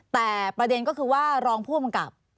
แต่ประเด็นก็คือว่ารองผู้กำกับ